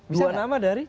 dua nama dari